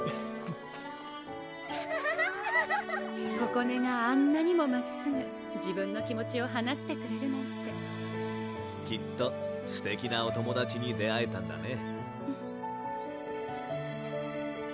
ここねがあんなにもまっすぐ自分の気持ちを話してくれるなんてきっとすてきなお友達に出会えたんだね